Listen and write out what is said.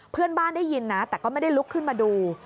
เพื่อนบ้านได้ยินนะแต่ก็ไม่ได้ลุกขึ้นมาดู